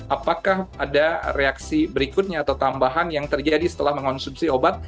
apakah ada reaksi berikutnya atau tambahan yang terjadi setelah mengonsumsi obat